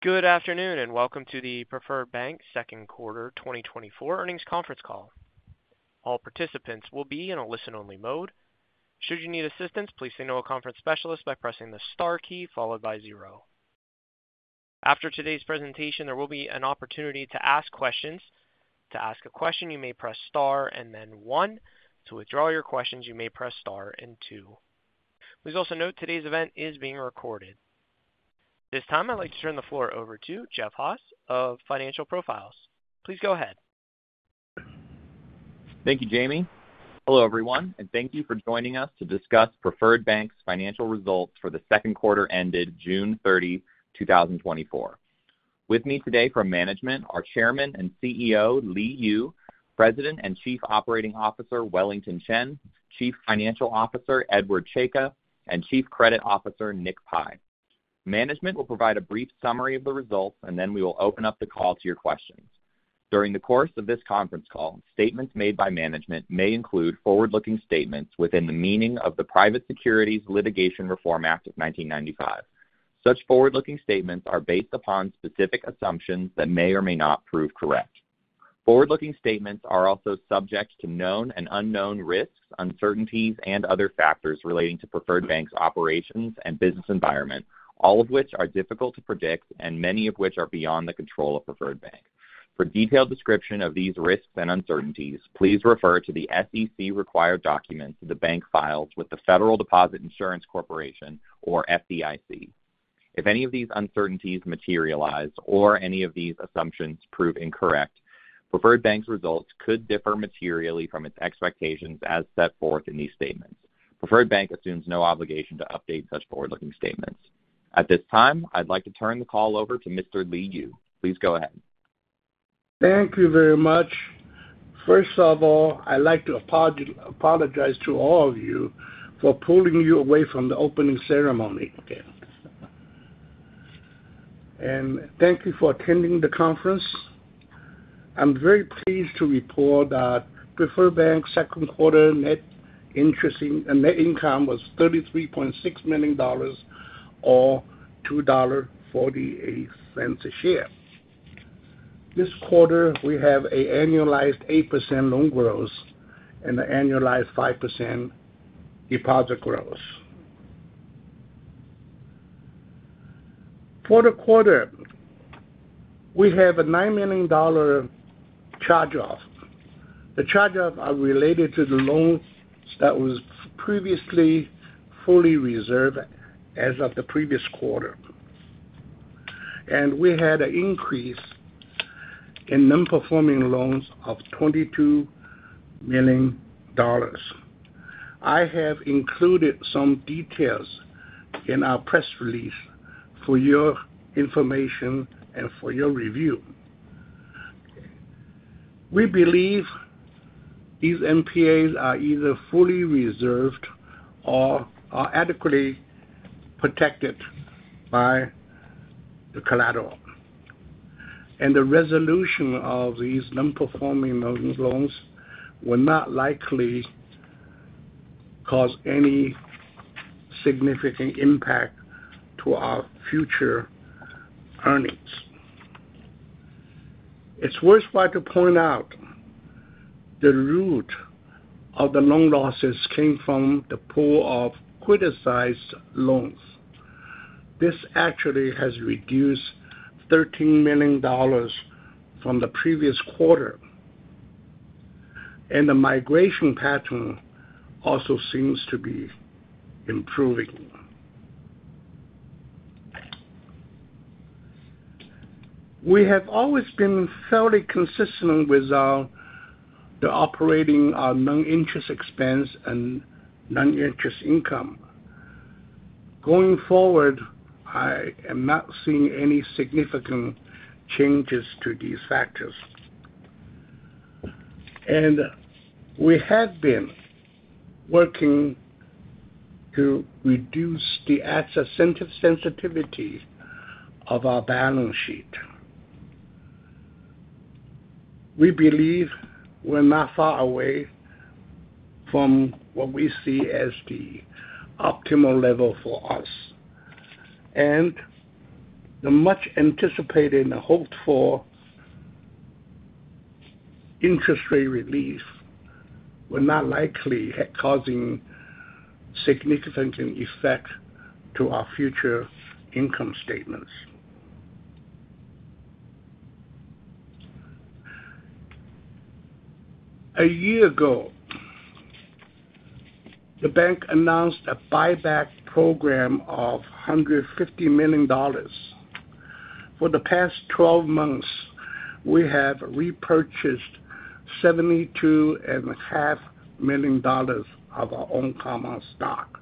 Good afternoon, and welcome to the Preferred Bank second quarter 2024 earnings conference call. All participants will be in a listen-only mode. Should you need assistance, please signal a conference specialist by pressing the Star key followed by 0. After today's presentation, there will be an opportunity to ask questions. To ask a question, you may press Star and then 1. To withdraw your questions, you may press Star and 2. Please also note today's event is being recorded. This time, I'd like to turn the floor over to Jeff Haas of Financial Profiles. Please go ahead. Thank you, Jamie. Hello, everyone, and thank you for joining us to discuss Preferred Bank's financial results for the second quarter ended June 30, 2024. With me today from management are Chairman and CEO, Li Yu, President and Chief Operating Officer, Wellington Chen, Chief Financial Officer, Edward Czajka, and Chief Credit Officer, Nick Pi. Management will provide a brief summary of the results, and then we will open up the call to your questions. During the course of this conference call, statements made by management may include forward-looking statements within the meaning of the Private Securities Litigation Reform Act of 1995. Such forward-looking statements are based upon specific assumptions that may or may not prove correct. Forward-looking statements are also subject to known and unknown risks, uncertainties, and other factors relating to Preferred Bank's operations and business environment, all of which are difficult to predict and many of which are beyond the control of Preferred Bank. For a detailed description of these risks and uncertainties, please refer to the SEC required documents the bank files with the Federal Deposit Insurance Corporation, or FDIC. If any of these uncertainties materialize or any of these assumptions prove incorrect, Preferred Bank's results could differ materially from its expectations as set forth in these statements. Preferred Bank assumes no obligation to update such forward-looking statements. At this time, I'd like to turn the call over to Mr. Li Yu. Please go ahead. Thank you very much. First of all, I'd like to apologize to all of you for pulling you away from the opening ceremony. Thank you for attending the conference. I'm very pleased to report that Preferred Bank's second quarter net income was $33.6 million, or $2.48 a share. This quarter, we have an annualized 8% loan growth and an annualized 5% deposit growth. For the quarter, we have a $9 million charge-off. The charge-off are related to the loans that was previously fully reserved as of the previous quarter, and we had an increase in non-performing loans of $22 million. I have included some details in our press release for your information and for your review. We believe these NPAs are either fully reserved or are adequately protected by the collateral. The resolution of these non-performing loans will not likely cause any significant impact to our future earnings. It's worthwhile to point out the root of the loan losses came from the pool of criticized loans. This actually has reduced $13 million from the previous quarter, and the migration pattern also seems to be improving. We have always been fairly consistent with our, the operating our non-interest expense and non-interest income. Going forward, I am not seeing any significant changes to these factors. And we have been working to reduce the asset sensitivity of our balance sheet. We believe we're not far away from what we see as the optimal level for us, and the much-anticipated and hoped-for interest rate relief will not likely causing significant effect to our future income statements. A year ago, the bank announced a buyback program of $150 million. For the past 12 months, we have repurchased $72.5 million of our own common stock.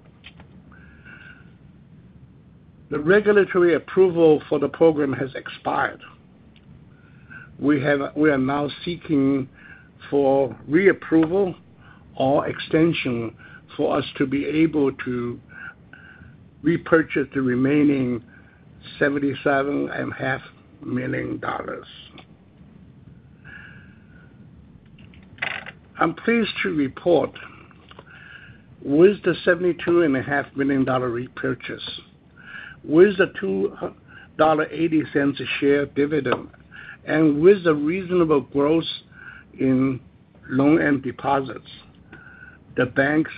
The regulatory approval for the program has expired. We are now seeking for reapproval or extension for us to be able to repurchase the remaining $77.5 million.... I'm pleased to report with the $72.5 million repurchase, with the $2.80 a share dividend, and with the reasonable growth in loans and deposits, the bank's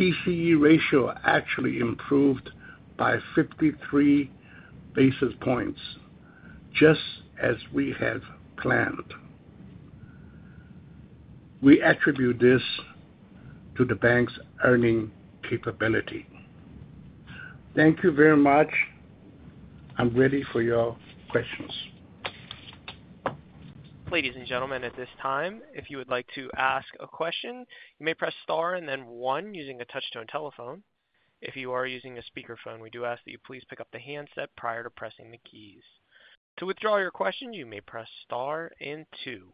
TCE ratio actually improved by 53 basis points, just as we have planned. We attribute this to the bank's earning capability. Thank you very much. I'm ready for your questions. Ladies and gentlemen, at this time, if you would like to ask a question, you may press Star and then 1 using a touch-tone telephone. If you are using a speakerphone, we do ask that you please pick up the handset prior to pressing the keys. To withdraw your question, you may press Star and 2.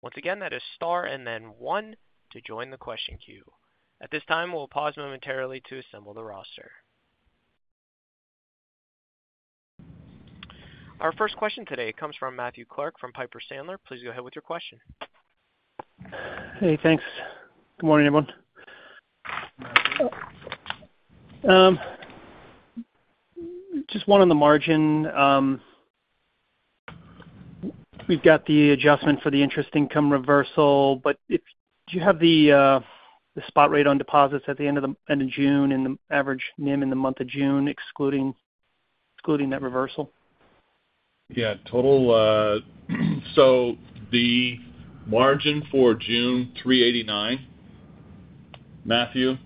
Once again, that is Star and then 1 to join the question queue. At this time, we'll pause momentarily to assemble the roster. Our first question today comes from Matthew Clark from Piper Sandler. Please go ahead with your question. Hey, thanks. Good morning, everyone. Just one on the margin. We've got the adjustment for the interest income reversal, but if you have the spot rate on deposits at the end of June and the average NIM in the month of June, excluding that reversal? Yeah. Total, so the margin for June, 3.89%, Matthew,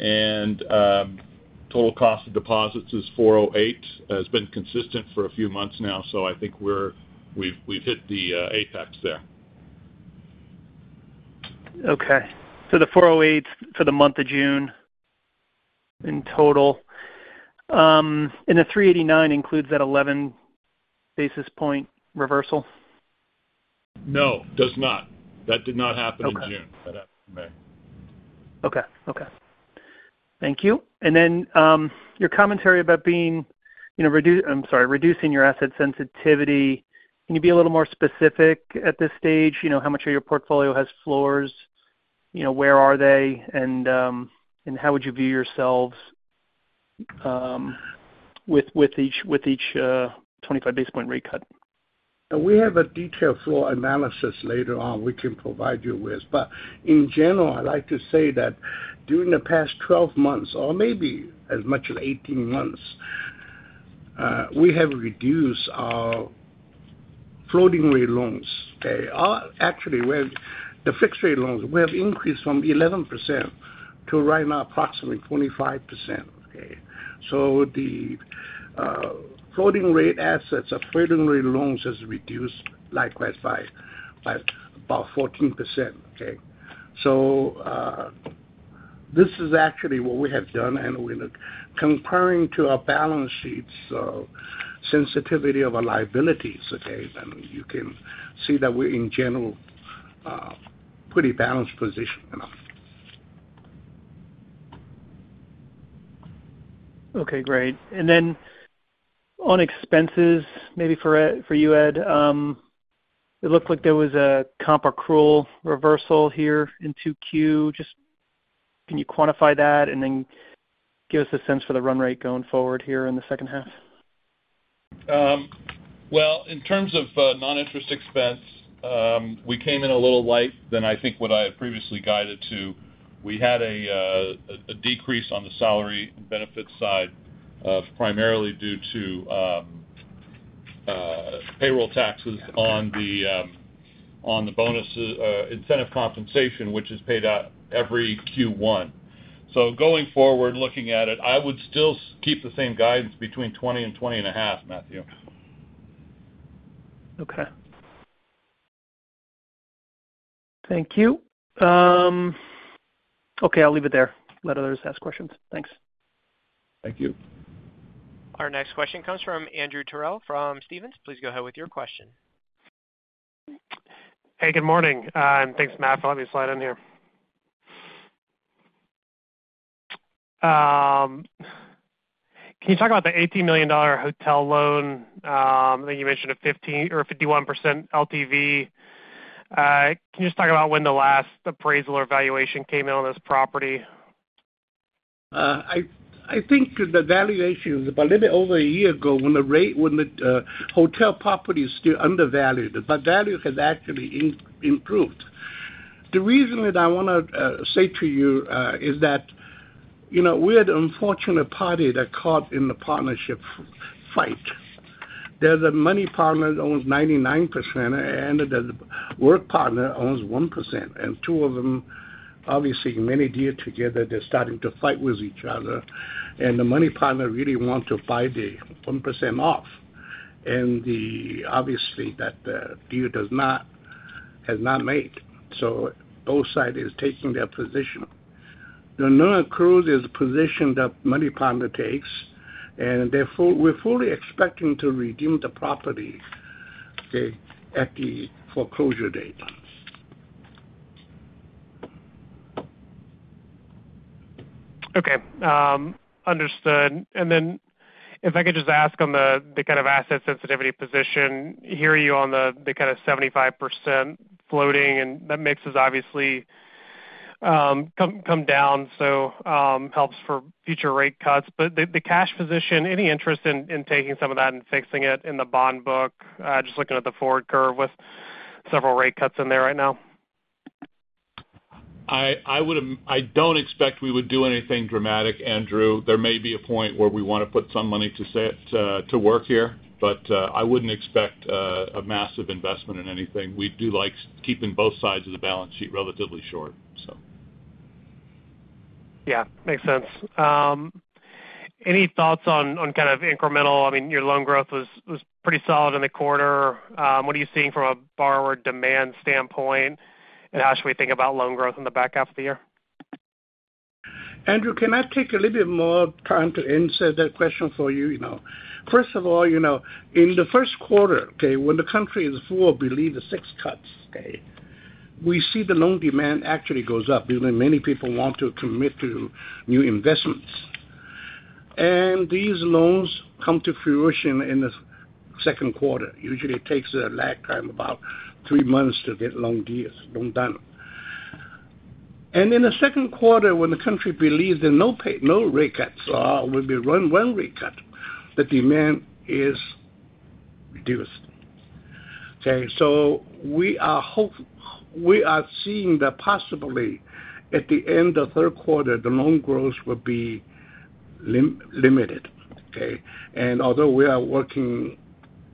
and total cost of deposits is 4.08%. It has been consistent for a few months now, so I think we've hit the apex there. Okay. So the 4.08 for the month of June in total. And the 3.89 includes that 11 basis point reversal? No, does not. That did not happen in June. Okay. That happened in May. Okay. Okay. Thank you. And then, your commentary about being, you know, reducing your asset sensitivity. Can you be a little more specific at this stage? You know, how much of your portfolio has floors? You know, where are they? And, and how would you view yourselves, with each 25 basis point rate cut? We have a detailed floor analysis later on we can provide you with. But in general, I'd like to say that during the past 12 months, or maybe as much as 18 months, we have reduced our floating rate loans. Okay. Actually, we have the fixed rate loans, we have increased from 11% to right now approximately 25%. Okay, so the floating rate assets or floating rate loans has reduced likewise by about 14%. Okay. So, this is actually what we have done, and we look comparing to our balance sheets, sensitivity of our liabilities, okay, then you can see that we're, in general, pretty balanced position, you know? Okay, great. And then on expenses, maybe for you, Ed, it looked like there was a comp accrual reversal here in 2Q. Just can you quantify that and then give us a sense for the run rate going forward here in the second half? Well, in terms of non-interest expense, we came in a little light than I think what I had previously guided to. We had a decrease on the salary and benefits side, primarily due to payroll taxes on the bonuses, incentive compensation, which is paid out every Q1. So going forward, looking at it, I would still keep the same guidance between $20 and $20.5, Matthew. Okay. Thank you. Okay, I'll leave it there. Let others ask questions. Thanks. Thank you. Our next question comes from Andrew Terrell from Stephens. Please go ahead with your question. Hey, good morning, and thanks, Matt, for letting me slide in here. Can you talk about the $80 million hotel loan? I think you mentioned a 15% or 51% LTV. Can you just talk about when the last appraisal or valuation came in on this property? I think the valuation is a little bit over a year ago when the hotel property is still undervalued, but value has actually improved. The reason that I want to say to you is that, you know, we are the unfortunate party that caught in the partnership fight. There's a money partner owns 99%, and the work partner owns 1%. And two of them, obviously, many deal together, they're starting to fight with each other, and the money partner really want to buy the 1% off. And obviously, that deal has not made, so both sides is taking their position. The non-accrual is a position that money partner takes, and therefore, we're fully expecting to redeem the property, okay, at the foreclosure date. ... Okay, understood. And then if I could just ask on the kind of asset sensitivity position, hear you on the kind of 75% floating, and that mix is obviously come down, so helps for future rate cuts. But the cash position, any interest in taking some of that and fixing it in the bond book? Just looking at the forward curve with several rate cuts in there right now. I don't expect we would do anything dramatic, Andrew. There may be a point where we want to put some money to work here, but I wouldn't expect a massive investment in anything. We do like keeping both sides of the balance sheet relatively short, so. Yeah, makes sense. Any thoughts on kind of incremental? I mean, your loan growth was pretty solid in the quarter. What are you seeing from a borrower demand standpoint, and how should we think about loan growth in the back half of the year? Andrew, can I take a little bit more time to answer that question for you now? First of all, you know, in the first quarter, okay, when the country fully believes the six cuts, okay? We see the loan demand actually goes up, even many people want to commit to new investments. These loans come to fruition in the second quarter. Usually, it takes a lag time, about three months to get loan deals done. In the second quarter, when the country believes that no more rate cuts will be only one rate cut, the demand is reduced. Okay, so we are seeing that possibly at the end of third quarter, the loan growth will be limited, okay? Although we are working,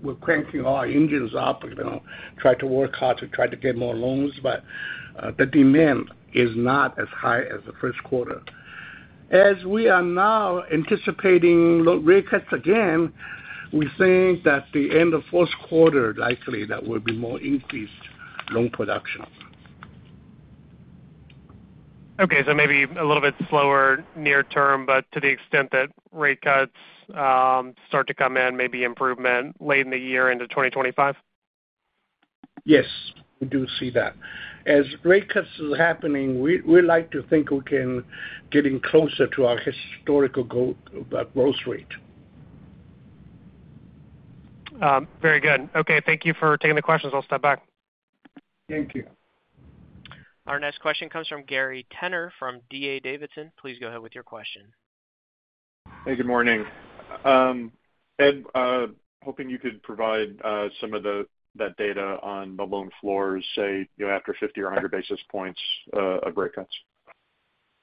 we're cranking our engines up, you know, try to work hard to try to get more loans, but the demand is not as high as the first quarter. As we are now anticipating lower rate cuts again, we think that the end of fourth quarter, likely that will be more increased loan production. Okay, so maybe a little bit slower near term, but to the extent that rate cuts start to come in, maybe improvement late in the year into 2025? Yes, we do see that. As rate cuts is happening, we like to think we can getting closer to our historical growth rate. Very good. Okay, thank you for taking the questions. I'll step back. Thank you. Our next question comes from Gary Tenner, from D.A. Davidson. Please go ahead with your question. Hey, good morning. Ed, hoping you could provide some of that data on the loan floors, say, you know, after 50 or 100 basis points of rate cuts.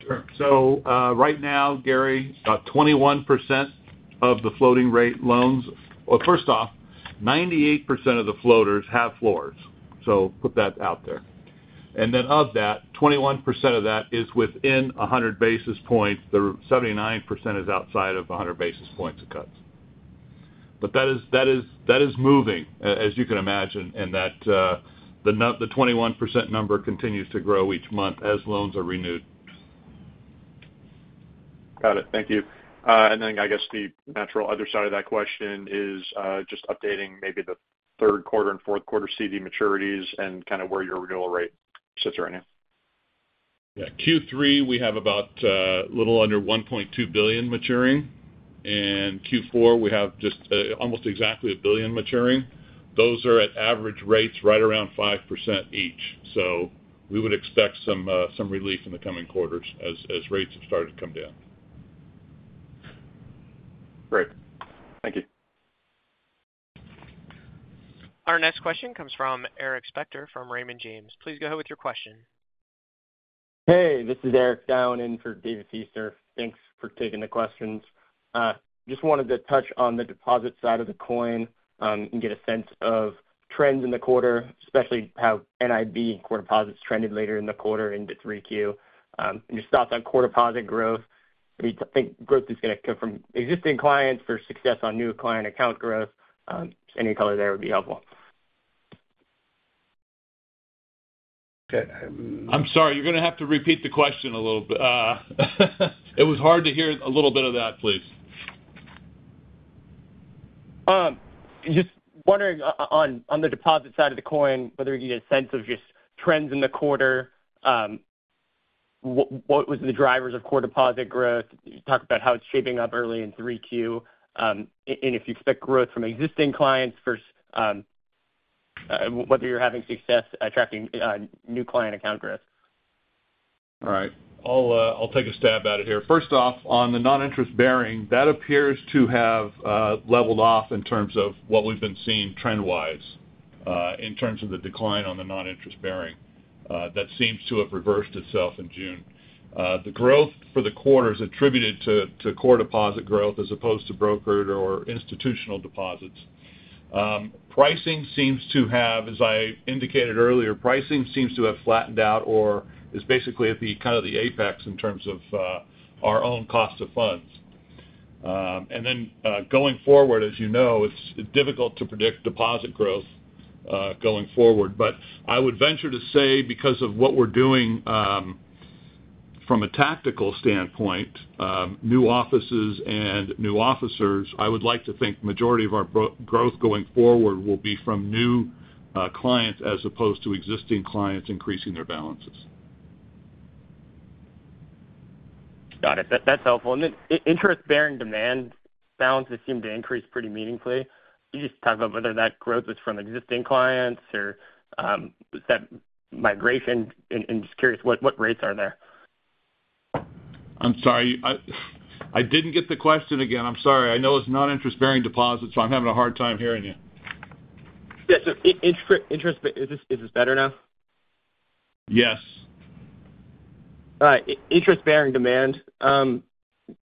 Sure. So, right now, Gary, about 21% of the floating rate loans. Well, first off, 98% of the floaters have floors, so put that out there. And then of that, 21% of that is within 100 basis points. The 79% is outside of 100 basis points of cuts. But that is, that is, that is moving, as you can imagine, and that, the 21% number continues to grow each month as loans are renewed. Got it. Thank you. And then I guess the natural other side of that question is, just updating maybe the third quarter and fourth quarter CD maturities and kind of where your renewal rate sits right now. Yeah. Q3, we have about, little under $1.2 billion maturing, and Q4, we have just, almost exactly $1 billion maturing. Those are at average rates right around 5% each, so we would expect some, some relief in the coming quarters as, rates have started to come down. Great. Thank you. Our next question comes from Eric Spector, from Raymond James. Please go ahead with your question. Hey, this is Eric, down in for David Feaster. Thanks for taking the questions. Just wanted to touch on the deposit side of the coin, and get a sense of trends in the quarter, especially how NIB core deposits trended later in the quarter into thr3ee Q. And just thoughts on core deposit growth. Do you think growth is going to come from existing clients or success on new client account growth? Any color there would be helpful. Okay, I'm sorry, you're gonna have to repeat the question a little bit. It was hard to hear. A little bit of that, please. Just wondering on the deposit side of the coin, whether you get a sense of just trends in the quarter. What was the drivers of core deposit growth? You talked about how it's shaping up early in 3Q, and if you expect growth from existing clients versus whether you're having success tracking new client account growth. All right. I'll take a stab at it here. First off, on the non-interest bearing, that appears to have leveled off in terms of what we've been seeing trend-wise, in terms of the decline on the non-interest bearing. That seems to have reversed itself in June. The growth for the quarter is attributed to core deposit growth as opposed to brokered or institutional deposits. Pricing seems to have, as I indicated earlier, pricing seems to have flattened out or is basically at the kind of the apex in terms of our own cost of funds. And then, going forward, as you know, it's difficult to predict deposit growth going forward. But I would venture to say, because of what we're doing, from a tactical standpoint, new offices and new officers, I would like to think majority of our growth going forward will be from new clients, as opposed to existing clients increasing their balances.... Got it. That, that's helpful. And then interest-bearing demand balances seem to increase pretty meaningfully. Can you just talk about whether that growth is from existing clients or, is that migration? And, and just curious, what rates are there? I'm sorry, I didn't get the question again. I'm sorry. I know it's non-interest-bearing deposits, so I'm having a hard time hearing you. Yeah, so, is this, is this better now? Yes. All right. Interest-bearing demand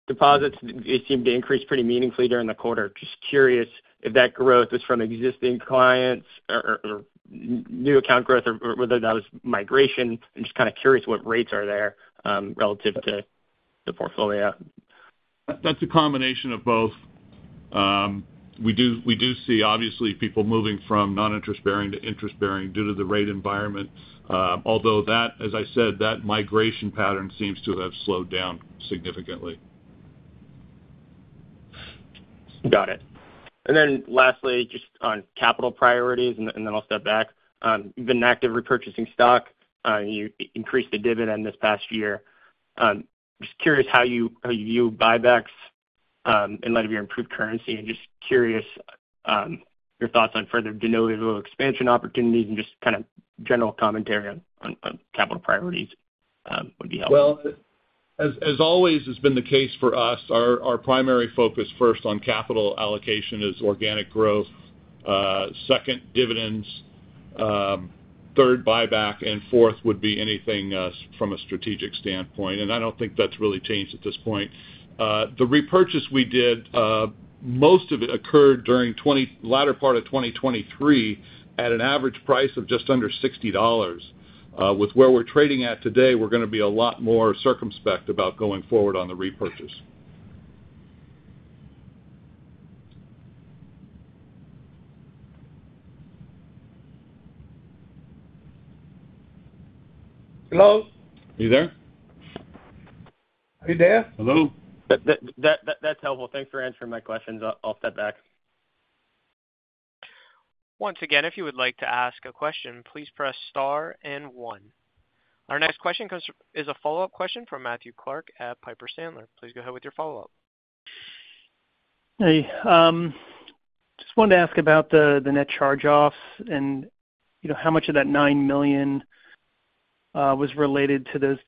deposits, it seemed to increase pretty meaningfully during the quarter. Just curious if that growth is from existing clients or new account growth or whether that was migration. I'm just kind of curious what rates are there relative to the portfolio. That's a combination of both. We do, we do see obviously people moving from non-interest-bearing to interest-bearing due to the rate environment. Although that, as I said, that migration pattern seems to have slowed down significantly. Got it. And then lastly, just on capital priorities and then I'll step back. You've been active repurchasing stock. You increased the dividend this past year. Just curious how you view buybacks in light of your improved currency? And just curious, your thoughts on further de novo expansion opportunities and just kind of general commentary on capital priorities would be helpful. Well, as always has been the case for us, our primary focus first on capital allocation is organic growth, second, dividends, third, buyback, and fourth would be anything from a strategic standpoint, and I don't think that's really changed at this point. The repurchase we did, most of it occurred during the latter part of 2023, at an average price of just under $60. With where we're trading at today, we're gonna be a lot more circumspect about going forward on the repurchase. Hello? Are you there? Are you there? Hello. That's helpful. Thanks for answering my questions. I'll step back. Once again, if you would like to ask a question, please press star and one. Our next question comes from-- is a follow-up question from Matthew Clark at Piper Sandler. Please go ahead with your follow-up. Hey, just wanted to ask about the net charge-offs and, you know, how much of that $9 million was related to those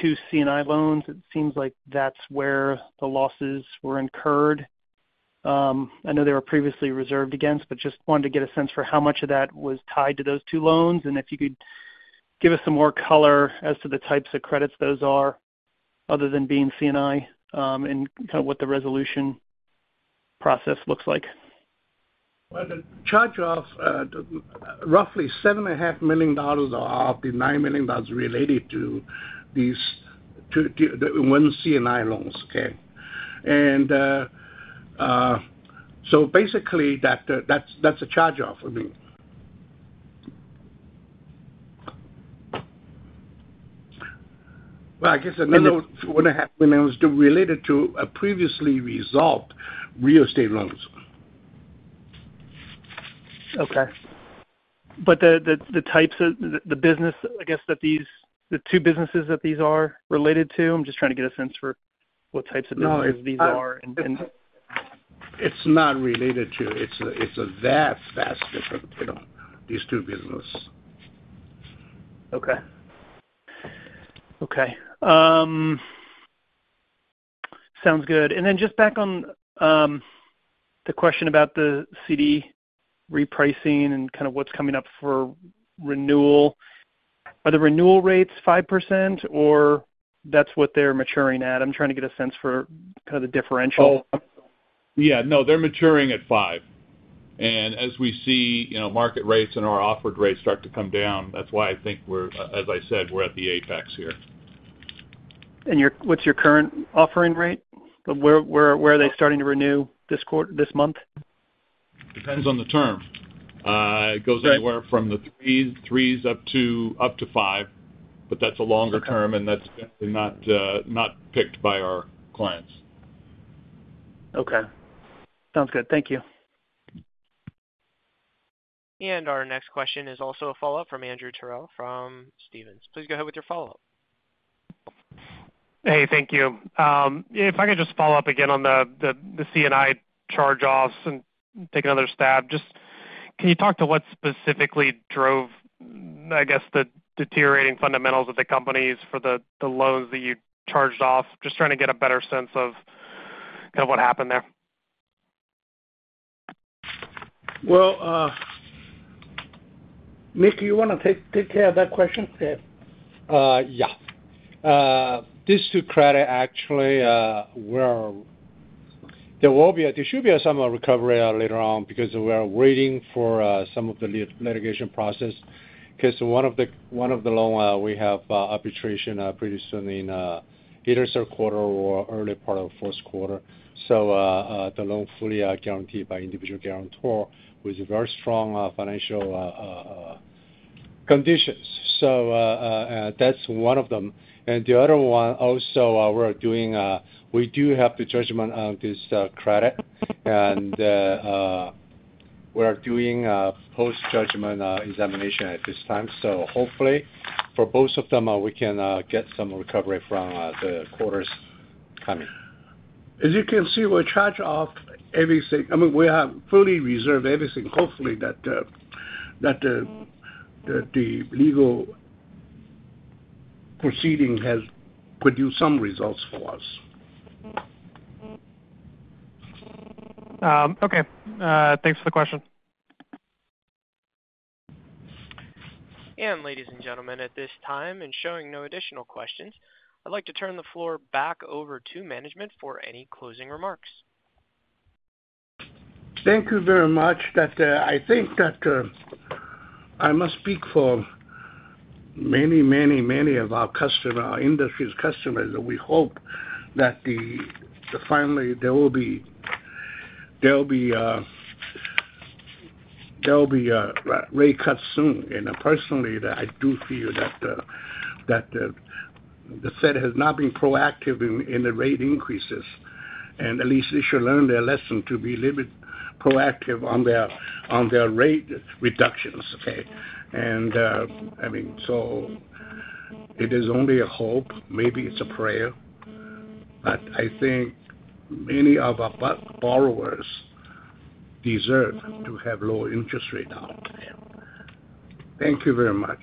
two C&I loans? It seems like that's where the losses were incurred. I know they were previously reserved against, but just wanted to get a sense for how much of that was tied to those two loans, and if you could give us some more color as to the types of credits those are, other than being C&I, and kind of what the resolution process looks like. Well, the charge-off, roughly $7.5 million out of the $9 million related to these, to the one C&I loans, okay? And so basically, that's a charge-off, I mean. Well, I guess another $2.5 million was related to a previously resolved real estate loans. Okay. But the types of the business, I guess that these, the two businesses that these are related to, I'm just trying to get a sense for what types of businesses these are, and— It's not related to... It's a very fast different, you know, these two businesses. Okay. Okay, sounds good. And then just back on, the question about the CD repricing and kind of what's coming up for renewal. Are the renewal rates 5%, or that's what they're maturing at? I'm trying to get a sense for kind of the differential. Oh, yeah. No, they're maturing at 5. And as we see, you know, market rates and our offered rates start to come down, that's why I think we're, as I said, we're at the apex here. What's your current offering rate? Where are they starting to renew this quarter, this month? Depends on the term. It goes anywhere from the 3s up to 5, but that's a longer term, and that's definitely not picked by our clients. Okay. Sounds good. Thank you. Our next question is also a follow-up from Andrew Terrell from Stephens. Please go ahead with your follow-up. Hey, thank you. If I could just follow up again on the C&I charge-offs and take another stab. Just, can you talk to what specifically drove, I guess, the deteriorating fundamentals of the companies for the loans that you charged off? Just trying to get a better sense of kind of what happened there. Well, Nick, do you want to take care of that question? Yeah. Yeah. These two credits actually were. There will be—there should be some recovery later on, because we are waiting for some of the litigation process. Because one of the loans, we have arbitration pretty soon in either third quarter or early part of fourth quarter. So, the loan fully guaranteed by individual guarantor with very strong financial conditions. So, that's one of them. And the other one also, we do have the judgment on this credit, and we're doing post-judgment examination at this time. So hopefully, for both of them, we can get some recovery from the quarters coming. As you can see, we charge off everything. I mean, we have fully reserved everything, hopefully that the legal proceeding has produced some results for us. Okay, thanks for the question. Ladies and gentlemen, at this time, and showing no additional questions, I'd like to turn the floor back over to management for any closing remarks. Thank you very much. That, I think that, I must speak for many, many, many of our customer, our industries customers, that we hope that the-- finally, there will be a rate cut soon. And personally, that I do feel that, the Fed has not been proactive in the rate increases. And at least they should learn their lesson to be a little bit proactive on their rate reductions. Okay? And, I mean, so it is only a hope, maybe it's a prayer, but I think many of our borrowers deserve to have lower interest rate now. Thank you very much.